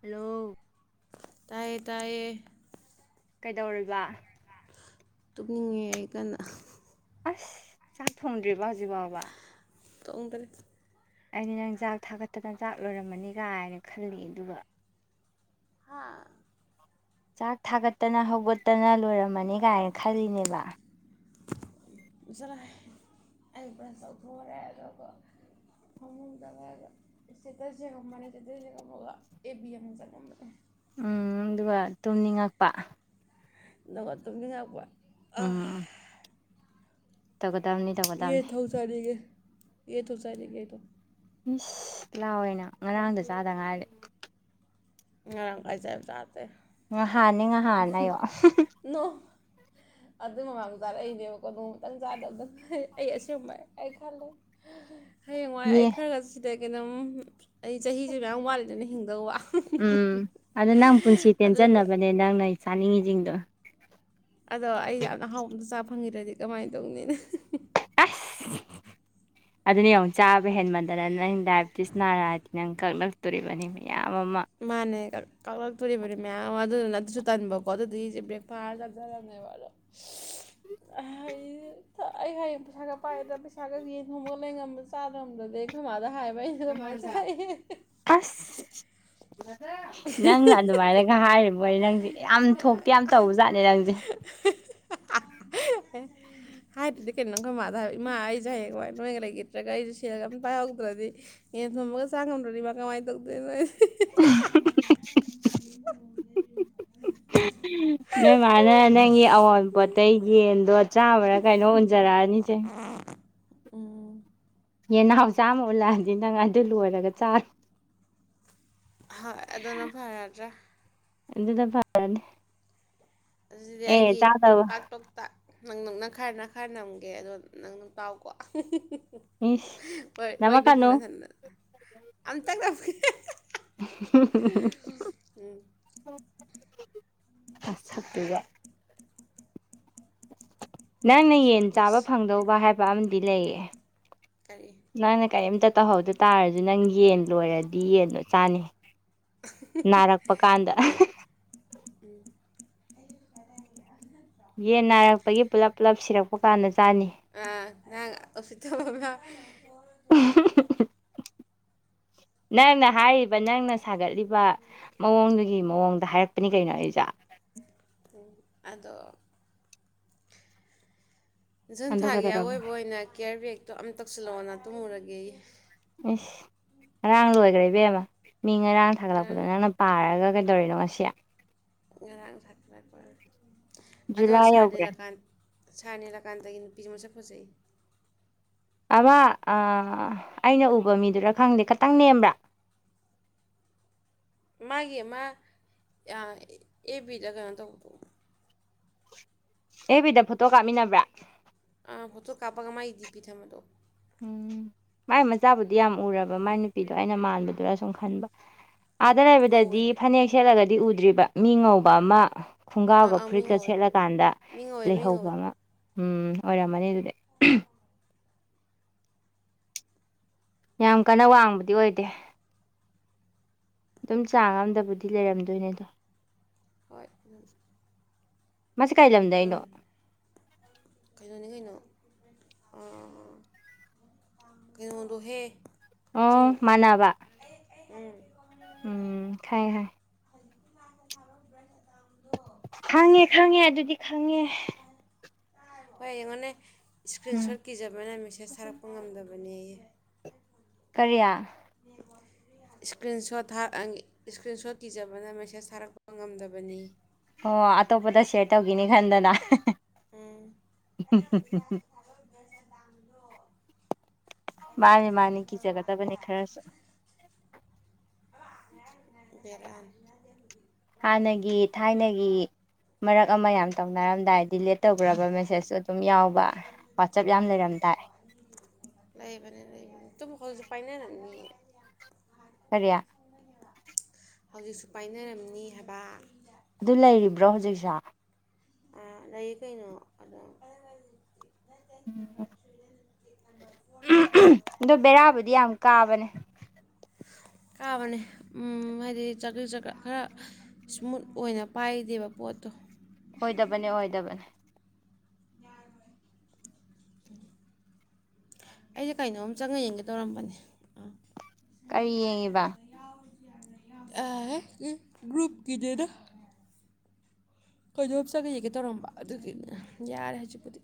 hello ꯇꯥꯏꯌꯦ ꯇꯌꯦ ꯀꯩꯗꯧꯔꯤꯕ ꯇꯣꯛꯅꯤꯡꯉꯦ ꯑꯩ ꯀꯟꯅ ꯑꯁ ꯆꯥꯛ ꯊꯣꯡꯗ꯭ꯦꯕ ꯍꯧꯖꯤꯛꯐꯥꯎꯕ ꯇꯣ ꯑꯣꯟꯗꯔꯦ ꯑꯩꯗꯤ ꯅꯪ ꯆꯥꯛ ꯊꯥꯒꯠꯇꯅ ꯆꯥꯛ ꯂꯣꯏꯔꯝꯃꯅꯤ ꯀꯥꯏꯅ ꯈꯜꯂꯤ ꯑꯗꯨꯒ ꯍꯥ ꯆꯥꯛ ꯊꯥꯒꯠꯇꯅ ꯍꯧꯒꯠꯇꯅ ꯂꯣꯏꯔꯝꯃꯅꯤ ꯀꯥꯏꯅ ꯈꯜꯂꯤꯅꯦꯕ ꯁꯥꯔꯥ ꯄ꯭ꯔꯊꯔꯦ ꯑꯗꯨꯒ ꯐꯃ ꯆꯪꯉꯒꯦꯇꯔꯁꯦ ꯉꯝꯕꯅꯦ ꯆꯇꯔꯁꯦ ꯉꯝꯃꯒ ꯑꯦ ꯕꯤ ꯑꯃ ꯆꯪꯉꯝꯕꯅꯦ ꯎꯝ ꯑꯗꯨꯒ ꯇꯨꯝꯅꯤꯡꯉꯛꯄ ꯅ ꯇꯨꯝꯕꯤ ꯉꯥꯛꯄ ꯎꯝ ꯇꯧꯒꯗꯕꯅꯤ ꯌꯦ ꯇꯧꯒꯗꯕꯅꯤ ꯊꯧ ꯆꯔꯒꯦ ꯌꯦ ꯊꯧ ꯆꯔꯒꯦ ꯊ ꯃꯤꯁ ꯂꯥꯛꯑꯣꯏꯅ ꯉꯔꯥꯡꯗ ꯆꯥꯗ ꯉꯥꯏꯔꯦ ꯉꯔꯪ ꯀꯥꯏ ꯆꯕ ꯆꯥꯗꯦ ꯉꯍꯥꯟꯅꯤ ꯉꯍꯥꯟꯅꯌꯣ ꯑꯗꯨꯏ ꯃꯃꯥꯗ ꯆꯥꯔꯛꯏꯅꯦꯕꯀꯣ ꯅꯣꯡꯃꯇꯪ ꯆꯥꯗꯕꯗ ꯑꯩ ꯑꯁꯦꯡꯕꯩ ꯑꯩ ꯈꯜꯂꯦ ꯍꯌꯦꯡꯋꯥꯏ ꯌꯦ ꯑꯩ ꯈꯔꯒ ꯁꯤꯗꯒꯤ ꯑꯗꯨꯝ ꯑꯩ ꯆꯍꯤꯁꯨꯦ ꯃꯌꯥꯝ ꯋꯥꯠꯂꯤꯗꯅ ꯍꯤꯡꯗꯧꯕ ꯎꯝ ꯑꯗꯨꯗ ꯁꯅꯤꯡ ꯍꯖꯤꯡꯗ ꯑꯗꯣ ꯑꯩ ꯌꯥꯝꯅ ꯍꯥꯎꯕꯗ ꯆꯥ ꯐꯪꯉꯔꯗꯤ ꯀꯃꯥꯏꯅ ꯇꯧꯅꯤꯅ ꯎꯝ ꯑꯗꯨꯅꯦ ꯌꯦꯡꯉ ꯆꯥꯕ ꯍꯦꯟꯃꯟꯗꯅ ꯅꯪ ꯗꯥꯏꯕꯦꯇꯤꯁ ꯅꯥꯔꯑꯗꯤ ꯅꯪ ꯀꯛ ꯅꯛꯇꯣꯔꯤꯕꯅꯤ ꯃꯥꯅꯦ ꯀ ꯀꯛ ꯊ ꯄꯨ ꯃ ꯑꯋꯥ ꯑꯗꯨꯗꯨꯅ ꯑꯗꯨꯁꯨ ꯇꯟꯕꯀꯣ ꯑꯗꯨꯗꯒꯤꯁꯦ ꯕ꯭ꯔꯦꯛꯐꯥꯁ ꯆꯞꯊꯔꯝꯃꯦꯕ ꯑꯗꯣ ꯑꯩ ꯍꯥꯏ ꯄꯩꯁꯥꯒ ꯄꯥꯏꯑꯦꯗ ꯄꯩꯁꯥꯒ ꯌꯦꯟ ꯊꯣꯝꯒ ꯂꯩꯔꯝꯕ ꯆꯥꯗꯔꯝꯗꯗꯒꯤ ꯀꯃꯥꯗ ꯍꯥꯏ ꯑꯖ ꯑꯁ ꯅꯪꯅ ꯑꯗꯨꯃꯥꯏꯅꯒ ꯍꯥꯏꯔꯤꯕꯅꯤ ꯅꯪꯗꯤ ꯌꯥꯝ ꯊꯣꯛꯇꯦ ꯌꯥꯝ ꯇꯧꯕꯖꯥꯠꯅꯦ ꯅꯪꯁꯦ [inaudible] ꯍꯥꯏꯗ꯭ꯔꯗꯤ ꯀꯩꯅꯣꯪ ꯈꯔ ꯃꯥꯗ ꯍꯥꯏ ꯏ ꯃꯥ ꯑꯩꯁꯦ ꯍꯌꯦꯡ ꯅꯣꯏ ꯂꯩꯈꯤꯇ꯭ꯔꯒ ꯑꯩꯁꯦ ꯁꯦꯜꯒ ꯑ ꯄꯥꯏꯍꯧꯗ꯭ꯔꯗꯤ ꯑꯦꯟ ꯊꯣꯃꯒ ꯆꯥꯡ ꯉꯝꯗꯣꯅꯤꯕ ꯀꯃꯥꯏꯅ ꯇꯧꯗꯣꯏꯅꯣꯁꯦ [inaudible] ꯌꯦ ꯐꯣꯦ ꯎꯝ ꯅꯣꯏ ꯃꯥꯅ ꯅꯪꯒꯤ ꯑꯋꯥꯡꯄꯣꯠꯇꯩ ꯌꯦꯟꯗꯣ ꯆꯥꯕ꯭ꯔꯥ ꯀꯩꯅꯣ ꯎꯟꯖꯔꯛꯑꯅꯤꯁꯦ ꯎꯝ ꯌꯦꯟꯅꯥꯎꯆꯥꯥꯝ ꯑꯃ ꯎꯜꯂꯛꯑꯗꯤ ꯅꯪ ꯑꯗꯨ ꯂꯣꯏꯔꯒ ꯆꯥꯔ ꯍꯣꯏ ꯑꯗꯨꯅ ꯐꯔꯗ꯭ꯔꯥ ꯑꯦꯗ ꯐꯔꯅꯦꯦ ꯑꯗꯨꯗꯤ ꯑꯩꯒꯤ ꯇꯣꯛꯇꯥꯛ ꯇꯣꯛꯇꯥꯛ ꯅꯪ ꯅꯛꯅ ꯈꯔꯅ ꯈꯔ ꯅꯝꯒꯦ ꯑꯗꯣ ꯅꯪ ꯑꯗꯨ ꯇꯥꯎꯀꯣ ꯏꯁ ꯋꯥꯔꯤꯗꯨ ꯅꯃꯛꯀꯅꯨ ꯁꯅ ꯁ ꯑꯝꯇꯪ ꯎꯝ ꯑꯄꯒ ꯅꯪꯅ ꯌꯦꯟ ꯆꯥꯕ ꯏꯁ ꯐꯪꯗꯧꯕ ꯍꯥꯏꯕ ꯑꯃꯗꯤ ꯂꯩꯌꯦ ꯀꯔꯤꯔꯤ ꯅꯪꯅ ꯀꯔꯤꯝꯇ ꯇꯧꯍꯧꯗ ꯇꯥꯔꯁꯨ ꯅꯪ ꯌꯦꯟ ꯂꯣꯏꯔꯗꯤ ꯌꯦꯟꯗꯣ ꯆꯥꯅꯤ ꯅꯥꯔꯛꯄ ꯀꯥꯟꯗ ꯎꯝ ꯒꯤ ꯄꯨꯂꯞ ꯄꯨꯂꯞ ꯁꯤꯔꯛꯄ ꯀꯥꯟꯗꯁꯦ ꯑ ꯅ ꯑꯣꯁꯗꯅ ꯅꯪꯅ ꯍꯥꯏꯔꯤꯕ ꯅꯪꯅ ꯁꯥꯒꯠꯂꯤꯕ ꯃꯑꯣꯡꯗꯨꯒꯤ ꯃꯑꯣꯡꯗ ꯑꯗ ꯍꯥꯏꯔꯛꯄꯅꯤ ꯀꯩꯅꯣ ꯑꯩ ꯖꯥ ꯑꯗ ꯖꯨꯟ ꯑꯗꯨ ꯊꯥꯒꯤ ꯀꯩꯗꯧꯔꯕ ꯑꯀꯣꯏꯕ ꯑꯣꯏꯅ ꯀꯤꯌꯔ ꯕꯦꯒꯛꯇꯣ ꯑꯃꯝ ꯇꯧꯁꯤꯜꯂꯛꯑꯣꯅ ꯇꯨꯝꯃꯨꯔꯒꯦ ꯏꯁ ꯉꯔꯥꯡ ꯂꯣꯏꯈ꯭ꯔ ꯏꯕꯦꯝꯃ ꯃꯤ ꯉꯔꯥꯡ ꯊꯥꯒꯠꯂꯛꯄꯗꯣ ꯅꯪꯅ ꯄꯥꯔꯒ ꯍꯥꯏꯒꯦꯟꯗꯧꯔꯤꯅꯣꯉꯁꯤꯌꯥ ꯉ ꯑꯗ ꯖꯨꯂꯥꯏ ꯁꯥꯅꯤ ꯌꯧꯈ꯭ꯔꯦ ꯂꯀꯥꯟ ꯁꯅꯤꯔ ꯀꯥꯟꯗꯒꯤ ꯅꯨ ꯄꯤꯆꯃꯁ ꯐꯖꯩ ꯑ ꯑꯩꯅ ꯎꯕ ꯃꯤꯗꯨꯔ ꯈꯪꯗꯦ ꯈꯇꯪ ꯅꯦꯝꯕ꯭ꯔꯥ [inaudible] ꯃꯥꯒꯤ ꯑꯃ ꯑꯦ ꯕꯤꯗ ꯀꯩꯅꯣ ꯇꯧꯕꯗꯣ ꯑꯦꯕꯤꯗ ꯐꯣꯇꯣ ꯀꯥꯞꯃꯤꯟꯅꯕ꯭ꯔꯥ ꯑꯥ ꯍꯣꯠꯇ ꯀꯥꯄꯛ ꯑꯃꯥꯏ ꯏꯗꯤ ꯄꯤ ꯊꯃꯦꯗꯣ ꯎꯝ ꯃꯥꯏ ꯃꯆꯥꯕꯨꯗꯤ ꯌꯥꯝ ꯎꯔꯕ ꯃꯥꯏ ꯅꯨꯄꯤꯗꯣ ꯑꯩꯅ ꯃꯥꯟꯕꯗꯨꯔ ꯁꯨꯝ ꯈꯟꯕ ꯑꯥꯗ ꯉꯧꯋꯦ ꯂꯩꯕꯗꯗꯤ ꯐꯅꯦꯛ ꯁꯦꯠꯂꯒꯗꯤ ꯎꯗ꯭ꯔꯤꯕ ꯃꯤ ꯉꯧꯕ ꯑꯃ ꯑꯥ ꯈꯣꯡꯒ꯭ꯔꯥꯎꯒ ꯑꯥ ꯃꯤ ꯐꯨꯔꯤꯠꯀ ꯉꯧꯋꯦ ꯁꯦꯠꯂꯀꯥꯟꯗ ꯃꯤ ꯉꯧꯋꯦ ꯃꯤ ꯂꯩꯍꯧꯕ ꯉꯧꯋꯦ ꯑꯃ ꯎꯝ ꯑꯣꯏꯔꯝꯃꯅꯤ ꯑꯗꯨꯗꯤ ꯌꯥꯝ ꯀꯟꯅ ꯋꯥꯡꯕꯗꯤ ꯑꯣꯏꯗꯦ ꯑꯗꯨꯝ ꯆꯥꯡ ꯑꯃꯝꯗꯕꯨꯗꯤ ꯂꯩꯔꯝꯗꯣꯏꯅꯦꯗꯣ ꯍꯣꯏ ꯃꯥꯁꯦ ꯀꯥꯏ ꯂꯝꯗ ꯀꯪ ꯑꯩꯅꯣ ꯑ ꯀꯗꯣ ꯇꯍꯦ ꯑꯣ ꯃꯅꯥꯕ ꯎꯝ ꯎꯝ ꯈꯌꯦ ꯍꯥꯏꯥꯏ ꯗꯤ ꯈꯪꯉꯦ ꯍꯣꯏ ꯑꯩꯡꯉꯣꯟꯅꯦ ꯏꯁꯀ꯭ꯔꯤꯟ ꯎꯝ ꯁꯣꯠ ꯀꯤꯖꯕꯅ ꯃꯦꯁꯦꯁ ꯊꯥꯔꯛꯄ ꯉꯝꯗꯕꯅꯦ ꯑꯩ ꯀꯔꯤꯌꯥ ꯏꯁꯀ꯭ꯔꯤꯟ ꯁꯣꯠ ꯏꯁꯀ꯭ꯔꯤꯟꯁꯣꯠ ꯀꯤꯖꯕꯅ ꯃꯦꯁꯦꯁ ꯊꯥꯔꯛꯄ ꯉꯝꯗꯕꯅꯤ ꯑꯣ ꯑꯇꯣꯞꯄꯗ ꯁꯌꯔ ꯇꯧꯈꯤꯅꯤ ꯈꯟꯗꯅ ꯎꯝ ꯎꯝ ꯎ ꯎ ꯎ ꯃꯥꯅꯤ ꯃꯥꯅꯤ ꯀꯤꯖꯒꯗꯕꯅꯦ ꯈꯔꯁꯨ ꯕꯔꯥꯟ ꯍꯥꯟꯅꯒꯤ ꯊꯥꯏꯅꯒꯤ ꯃꯔꯛ ꯑꯃ ꯌꯥꯝ ꯇꯧꯅꯔꯝꯗꯥꯏ ꯗꯤꯂꯦꯠ ꯇꯧꯈ꯭ꯔꯕ ꯃꯦꯁꯦꯖꯁꯨ ꯑꯗꯨꯝ ꯌꯥꯎꯕ ꯋꯥꯆꯞ ꯌꯥꯝ ꯂꯩꯔꯝꯗꯥꯏ [inaudible] ꯂꯩꯕꯅꯦ ꯂꯩꯕꯅꯦ ꯇꯨꯝ ꯍꯧꯖꯤꯛ ꯄꯥꯏꯅꯔꯝꯅꯤꯌꯦ [unintelligible] ꯍꯧꯖꯤꯛꯁꯨ ꯄꯥꯏꯅꯔꯝꯅꯤ ꯍꯥꯏꯕ ꯑꯗꯨ ꯂꯩꯔꯤꯕ꯭ꯔꯣ ꯍꯧꯖꯤꯛꯁꯨ ꯑ ꯂꯩꯌꯦ ꯀꯩꯅꯣ ꯑꯗꯨꯝ ꯎꯝ [inaudible] ꯑꯗꯣ ꯕꯦꯔꯥꯕꯨꯗꯤ ꯌꯥꯝ ꯀꯥꯕꯅꯦ ꯀꯥꯕꯅꯦ ꯎꯝ ꯍꯥꯏꯗꯤ ꯆꯀ꯭ꯔꯤ ꯆꯀ ꯈꯔ ꯁ꯭ꯃꯨꯠ ꯑꯣꯏꯅ ꯄꯥꯏꯗꯦꯕ ꯄꯣꯠꯇꯣ ꯑꯣꯏꯗꯕꯅꯤ ꯑꯣꯏꯗꯕꯅꯦ ꯑꯩꯁꯦ ꯀꯩꯅꯣꯝ ꯆꯪꯉ ꯌꯦꯡꯒꯦ ꯇꯧꯔꯝꯕꯅꯦ ꯑꯥ ꯀꯔꯤ ꯌꯦꯡꯉꯤꯕ ꯑꯦ ꯒ꯭ꯔꯨꯨꯞꯀꯤꯅꯦꯗꯥ ꯀꯩꯅꯣꯝ ꯆꯪꯑ ꯌꯦꯡꯒꯦ ꯇꯧꯔꯝꯕ ꯑꯗꯨꯒꯤꯅꯦ ꯌꯥꯔꯦ ꯍꯧꯖꯤꯛꯕꯨꯨꯗꯤ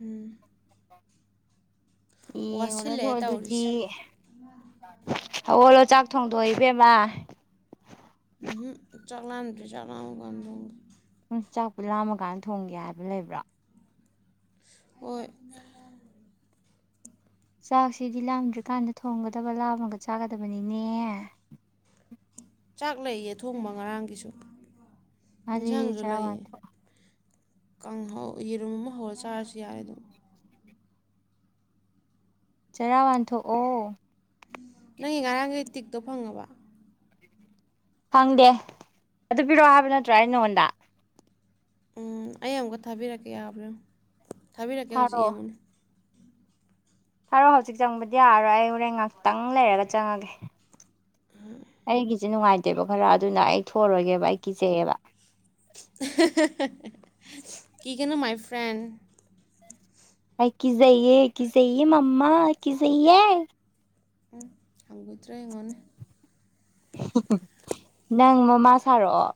ꯎꯝ ꯌꯦꯡ ꯋꯥꯁꯤꯜꯂꯦ ꯎꯔꯅꯨ ꯑꯗꯨꯗꯤ ꯇꯧꯔꯤꯁꯦ ꯍꯧꯒꯠꯂꯣ ꯆꯥꯛ ꯊꯣꯡꯗꯣꯛꯑꯣ ꯏꯕꯦꯝꯃ ꯎꯝꯍꯨꯝ ꯆꯥꯛ ꯂꯥꯝꯗ꯭ꯔꯤ ꯆꯥꯛ ꯂꯥꯝꯃ ꯊꯣꯡꯒꯦ ꯆꯥꯛꯄꯨ ꯂꯥꯝꯃꯀꯥꯟꯗ ꯊꯣꯡꯒꯦ ꯍꯥꯏꯕ ꯂꯩꯕ꯭ꯔꯣ ꯍꯣꯏ ꯆꯥꯛꯁꯤꯗꯤ ꯂꯥꯝꯗ꯭ꯔꯤꯀꯥꯟꯗ ꯊꯣꯡꯒꯗꯕ ꯂꯥꯝꯃꯒ ꯆꯥꯒꯗꯕꯅꯤꯅꯦ [inaudible] ꯆꯥꯛ ꯂꯩꯌꯦ ꯑꯊꯣꯡꯕ ꯉꯔꯥꯡꯒꯤꯁꯨ ꯑꯗꯨꯗꯤ ꯏꯟꯁꯥꯡꯁꯨ ꯆꯔꯥ ꯂꯩꯌꯦ ꯋꯥꯟꯊꯣꯛ ꯀꯥꯡꯍꯧ ꯌꯦꯔꯨꯝ ꯑꯃ ꯍꯧꯔ ꯆꯥꯔꯁꯨ ꯌꯥꯔꯦ ꯑꯗꯨꯝ ꯆꯔꯥ ꯋꯥꯟꯊꯣꯛꯑꯣ ꯅꯪꯒꯤ ꯉꯔꯥꯡꯒꯤ ꯇꯤꯛꯇꯣ ꯐꯪꯉꯕꯣ ꯐꯪꯗꯦ ꯑꯗꯨ ꯄꯤꯔꯛꯑꯣ ꯍꯥꯏꯕ ꯅꯠꯇ꯭ꯔꯣ ꯑꯩꯅ ꯅꯪꯉꯣꯟꯗ ꯎꯝ ꯑꯩ ꯑꯃꯨꯛꯀ ꯊꯥꯕꯤꯔꯛꯀꯦ ꯌꯥꯕ꯭ꯔꯥ ꯌꯦꯟꯎ ꯊꯥꯕꯤꯔꯛꯀꯦ ꯍꯧꯖꯤꯛ ꯊꯥꯔꯛꯑꯣ ꯌꯦꯡꯉꯨꯅꯦ ꯊꯥꯔꯛꯑꯣ ꯍꯧꯖꯤꯛ ꯆꯪꯕꯗꯤ ꯌꯥꯔꯣꯏ ꯑꯩ ꯍꯣꯔꯦꯟ ꯉꯥꯛꯇꯪ ꯂꯩꯔꯒ ꯆꯪꯉꯒꯦ ꯑꯩꯒꯤꯁꯦ ꯅꯨꯡꯉꯥꯏꯇꯦꯕ ꯈꯔ ꯑꯗꯨꯅ ꯑꯩ ꯊꯣꯛꯑꯔꯣꯏꯒꯦꯕ ꯑꯩ ꯀꯤꯖꯩꯑꯕ ꯀꯤꯒꯅꯨ ꯃꯥꯏ ꯐ꯭ꯔꯦꯟ ꯑꯩ ꯀꯤꯖꯩꯌꯦ ꯀꯤꯖꯩꯌꯦ ꯃꯃꯥ ꯀꯤꯖꯩꯌꯦ ꯎꯝ ꯍꯪꯒꯣꯏꯇ꯭ꯔꯥ ꯌꯦꯡꯉꯣꯅꯦ ꯅꯪ ꯃꯃꯥ ꯁꯥꯔꯛꯑꯣ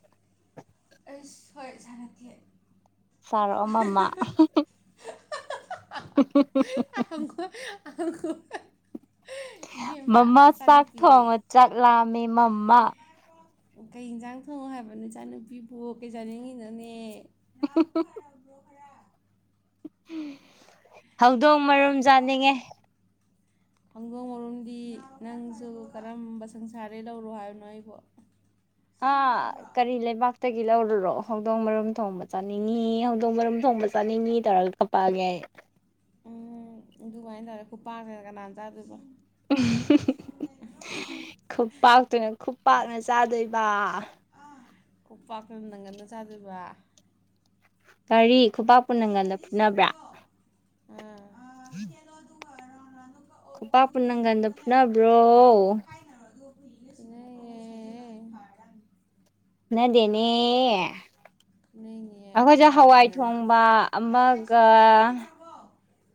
ꯑꯁ ꯍꯣꯏ ꯁꯥꯔꯛꯀꯦ ꯁꯥꯔꯛ ꯑꯣ ꯃꯃꯥ [unintelligible] ꯍꯪꯒꯣꯏ ꯍꯪꯒꯣꯏ ꯏꯕꯦꯝꯃ ꯃꯃꯥ ꯆꯥꯛ ꯏꯆꯥꯅꯨꯄꯤ ꯊꯣꯡꯉꯣ ꯆꯥꯛ ꯂꯥꯝꯃꯤ ꯃꯃꯥ ꯀꯩ ꯌꯦꯟꯖꯥꯡ ꯊꯣꯡꯉꯣ ꯍꯥꯏꯕꯅꯣ ꯏꯆꯥꯅꯨꯄꯤꯕꯨ ꯀꯩ ꯆꯥꯅꯤꯡꯉꯤꯅꯣꯅꯦ [unintelligible] ꯍꯧꯗꯣꯡ ꯃꯔꯨꯝ ꯆꯥꯅꯤꯡꯉꯦ ꯈꯪꯗꯣꯡ ꯃꯔꯣꯝꯗꯤ ꯅꯪꯁꯨ ꯀꯔꯝꯕ ꯁꯪꯁꯥꯔꯗꯩ ꯂꯧꯔꯣ ꯍꯥꯏꯕꯅꯣ ꯑꯩꯕꯣ ꯑꯥ ꯀꯔꯤ ꯂꯩꯕꯥꯛ ꯇꯒꯤ ꯂꯧꯔꯨꯔꯣ ꯍꯧꯗꯣꯡ ꯃꯔꯨꯝ ꯊꯣꯡꯕ ꯆꯥꯅꯤꯡꯉꯤ ꯍꯧꯗꯣꯡ ꯃꯔꯨꯝ ꯊꯣꯡꯕ ꯆꯥꯅꯤꯡꯉꯤ ꯇꯧꯔꯒ ꯀꯞꯄꯛꯑꯒꯦ ꯑꯩ [inaudible] ꯎꯝ ꯑꯗꯨꯃꯥꯏꯅ ꯇꯧꯔ ꯈꯨꯄꯥꯛꯅ ꯀꯅꯥꯅ ꯆꯥꯗꯣꯏꯕ [unintelligible] ꯈꯨꯄꯥꯛꯇꯨꯅ ꯈꯨꯄꯥꯛꯅ ꯆꯥꯗꯣꯏꯕ ꯀꯣꯄꯥꯥ ꯈ ꯅꯒꯦꯅꯖꯕ ꯀꯔꯤ ꯈꯨꯄꯥꯛꯄ ꯅꯪꯒꯟꯗ ꯐꯨꯅꯕ꯭ꯔꯥ ꯎꯝ ꯎꯝ ꯈꯨꯄꯥ ꯄꯨ ꯅꯪꯀꯥꯟꯗ ꯐꯨꯅꯕ꯭ꯔꯣ ꯁꯤ ꯗꯤꯅꯦ ꯅꯕꯥꯅꯅꯤ ꯊꯣꯡꯕ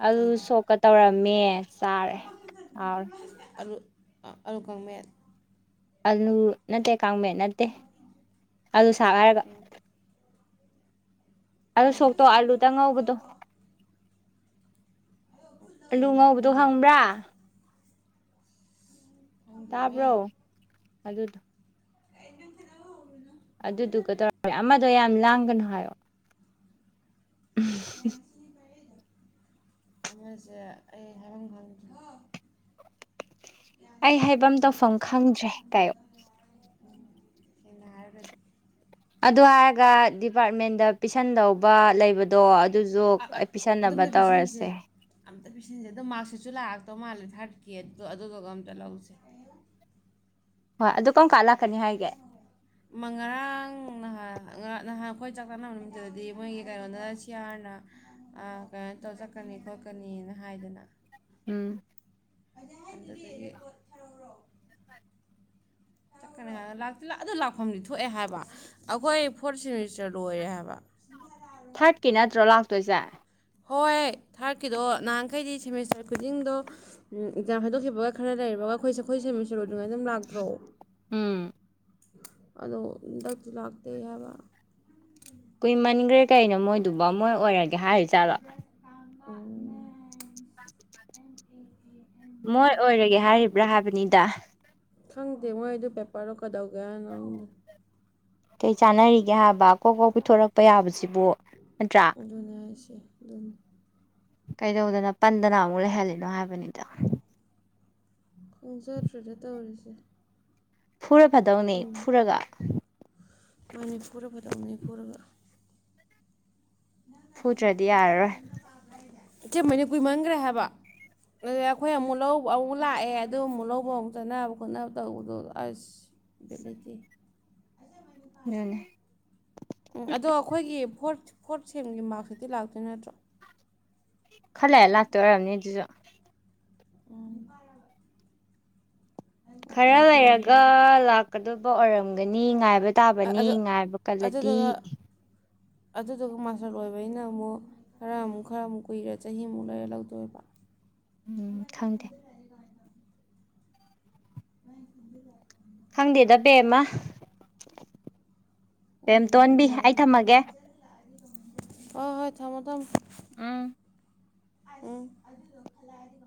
ꯑꯗꯨ ꯁꯣꯛꯀ ꯇꯧꯔꯝꯃꯦ ꯆꯥꯔꯦ ꯍꯥꯎꯔꯦ ꯑꯜꯒꯣꯡꯃꯦꯠ ꯑꯂꯨ ꯅꯠꯇꯦ ꯀꯥꯡꯃꯦꯟ ꯅꯠꯇꯦ ꯑꯂꯨ ꯁꯥꯔ ꯍꯥꯏꯔꯒ ꯎꯝ ꯑꯗꯨꯣ ꯁꯣꯛꯇꯣ ꯑꯥꯂꯨꯗ ꯉꯧꯕꯗꯣ ꯑꯂꯨ ꯀꯩꯅꯣꯝ ꯉꯧꯕꯗꯣ ꯈꯪꯗꯦ ꯍꯪꯕ꯭ꯔꯥ ꯈꯪꯗꯦꯃꯦ ꯇꯥꯕ꯭ꯔꯣ ꯑꯗꯨꯗꯣ ꯑꯦꯅ ꯀꯗꯣ ꯑꯗꯨꯗꯨꯒ ꯇꯧꯔꯦ ꯑꯃꯗꯣ ꯌꯥꯝ ꯂꯥꯡꯒꯅꯨ ꯍꯥꯏꯌꯣ ꯎꯝ ꯑꯃꯁꯦ ꯑꯩ ꯍꯥꯏꯔꯝ ꯈꯪꯗꯦ ꯑꯩ ꯍꯥꯏꯐꯝ ꯇꯧꯐꯝ ꯈꯪꯗ꯭ꯔꯦ ꯀꯥꯏꯣ ꯁꯩꯅ ꯍꯥꯏꯔꯒꯗꯤ ꯑꯗꯨ ꯍꯥꯏꯔꯒ ꯗꯤꯄꯥꯔꯠꯃꯦꯟꯗ ꯄꯤꯁꯟꯗꯧꯕ ꯂꯩꯕ ꯑꯗꯣ ꯑꯗꯨꯁꯨ ꯑꯩ ꯄꯤꯁꯟꯅꯕ ꯇꯧꯔꯁꯦ ꯑ ꯄꯦꯁꯦꯟꯁꯦ ꯑꯗꯨꯗ ꯃꯔꯁꯁꯤꯁꯨ ꯂꯥꯛꯑꯛꯇꯧ ꯃꯥꯜꯂꯦ ꯊꯥꯔꯠꯀꯤꯦ ꯑꯗꯨꯗꯣ ꯑꯗꯨꯗꯨꯒ ꯑꯝꯇ ꯂꯧꯁꯦ ꯍꯣꯏ ꯑꯗꯨ ꯀꯣꯟ ꯀꯂ ꯃ ꯉꯔꯥꯡꯍꯣꯏ ꯅꯍꯥꯟ ꯑꯩꯈꯣꯏ ꯆꯥꯛ ꯆꯥꯟꯅꯕ ꯅꯨꯃꯤꯠꯇꯗꯗꯤ ꯃꯣꯏꯒꯤ ꯀꯩꯅꯣꯅ ꯁꯤꯌꯥꯔꯅ ꯀꯩꯅꯣ ꯇꯧꯔ ꯆꯠꯀꯅꯤ ꯈꯠꯀ ꯈꯣꯠꯀꯅꯤꯅ ꯍꯥꯏꯗꯅ ꯎꯝ [unintelligible] [unintelligible] ꯀꯅꯤ ꯑꯗꯨ ꯂꯥꯛꯐꯝꯗꯤ ꯊꯣꯛꯑꯦ ꯍꯥꯏꯕ ꯑꯩꯈꯣꯏ ꯐꯣꯔꯠ ꯁꯦꯃꯤꯁꯇꯔ ꯂꯣꯏꯔꯦ ꯍꯥꯏꯕ ꯊꯥꯔꯠꯀꯤ ꯅꯠꯇ꯭ꯔꯣ ꯂꯥꯛꯇꯣꯏꯁꯦ ꯍꯣꯏ ꯊꯥꯔꯠꯀꯤꯗꯣ ꯅꯍꯥꯟꯈꯩꯗꯤ ꯁꯦꯃꯤꯁꯇꯔ ꯈꯨꯗꯤꯡꯗꯣ ꯑꯦꯛꯖꯥꯝ ꯍꯥꯏꯗꯣꯛꯈꯤꯕꯒ ꯈꯔ ꯂꯩꯔꯕꯒ ꯑꯩꯈꯣꯏꯁꯦ ꯑꯩꯈꯣꯏ ꯁꯦꯃꯤꯠ ꯁꯔꯨ ꯑꯗꯨꯉꯥꯏ ꯑꯗꯨꯝ ꯂꯥꯛꯇ꯭ꯔꯣ ꯎꯝ ꯑꯗꯣ ꯍꯟꯗꯛꯁꯨ ꯂꯥꯛꯇꯦ ꯍꯥꯏꯕ ꯀꯨꯏꯃꯟꯈ꯭ꯔꯦ ꯀꯩꯅꯣ ꯃꯣꯏꯗꯨꯐꯥꯎ ꯃꯣꯏ ꯑꯣꯏꯔꯒꯦ ꯍꯥꯏꯔꯤꯖꯥꯠꯂꯣ ꯎ ꯃꯣꯏ ꯑꯣꯏꯔꯒꯦ ꯍꯥꯏꯔꯤꯕ꯭ꯔꯥ ꯍꯥꯏꯕꯅꯤꯗ ꯗꯤꯉꯣꯏ ꯑꯩꯗꯨ ꯄꯦꯄꯔꯣ ꯀꯗꯧꯒꯅꯪꯗ ꯆꯥꯅꯔꯤꯒꯦ ꯍꯥꯏꯕ ꯀꯣꯛ ꯀꯣꯛ ꯄꯤꯊꯣꯔꯛꯄ ꯌꯥꯕꯁꯤꯕꯨ ꯅꯠꯇ꯭ꯔꯥ ꯑꯣꯀꯦ ꯑꯗꯨꯝ ꯀꯩꯗꯧꯗꯅ ꯄꯟꯗꯅ ꯑꯃꯨꯛ ꯂꯩꯍꯜꯂꯤꯅꯣ ꯍꯥꯏꯕꯅꯤꯗ ꯈꯣꯡꯖꯠꯇ꯭ꯔꯨꯗ ꯇꯧꯔꯤꯁꯦ ꯐꯨꯔ ꯐꯗꯧꯅꯦ ꯐꯨꯔꯒ ꯃꯅꯤꯄꯨꯔ ꯐꯗ ꯃꯅꯤꯄꯨꯔꯒ ꯐꯨꯗ꯭ꯔꯗꯤ ꯌꯥꯔꯔꯣꯏ ꯏꯆꯦꯃꯅ ꯀꯨꯏꯃꯟꯈ꯭ꯔꯦ ꯍꯥꯏꯕ ꯑꯗꯨ ꯑꯩꯈꯣꯏ ꯑꯃꯨꯛ ꯂꯧꯕ ꯑꯃꯨꯛ ꯂꯥꯛꯑꯦ ꯑꯗꯨ ꯑꯃꯨꯛ ꯂꯧꯕ ꯑꯃꯨꯛ ꯆꯠꯅꯕ ꯈꯣꯠꯅꯕ ꯇꯧꯕꯗꯣ ꯑꯁ ꯕꯂꯦꯒꯦ ꯍꯅꯦ ꯎꯝ ꯑꯗꯣ ꯑꯩꯈꯣꯏꯒꯤ ꯐꯣꯔ ꯐꯣꯔꯠ ꯁꯦꯝꯒꯤ ꯃꯥꯔꯛꯁꯇꯗꯤ ꯂꯥꯛꯇꯣꯏ ꯅꯠꯇ꯭ꯔꯣ ꯈꯜꯂꯦꯑ ꯂꯥꯛꯇꯣꯏ ꯑꯣꯏꯔꯕꯅꯤ ꯑꯗꯨꯁꯨ ꯑ ꯈꯔ ꯂꯩꯔꯒ ꯑꯗꯨꯕꯨꯗꯤ ꯂꯥꯛꯀꯗꯧꯕ ꯑꯣꯏꯔꯝꯒꯅꯤ ꯉꯥꯏꯕ ꯑ- ꯇꯥꯕꯅꯤ ꯑꯗꯣ ꯉꯥꯏꯕ ꯀꯜꯂꯗꯤ ꯑꯗꯨꯗꯨꯒ ꯑꯗꯨꯗꯨꯒ ꯃꯥꯁꯇꯔ ꯑꯣꯏꯕꯅꯤꯩꯅ ꯑꯃꯨꯛ ꯈꯔ ꯑꯃꯨꯛ ꯈꯔ ꯑꯃꯨꯛ ꯀꯨꯏꯔꯦ ꯆꯍꯤꯃꯨꯛ ꯂꯩꯔꯦ ꯂꯧꯗꯣꯏꯕ ꯎꯝ ꯑꯅꯦ ꯈꯪꯗꯦ ꯈꯟꯗ ꯇꯔꯒꯅ ꯑꯗ [unintelligible] [inaudible] ꯈꯪꯗꯦꯗ ꯄꯦꯝꯃ ꯄꯦꯝꯇꯣꯟꯕꯤ ꯑꯩ ꯊꯝꯃꯒꯦ ꯑ ꯍꯣꯏ ꯊꯃꯣ ꯊꯝ ꯎꯝ ꯑ [inaudible]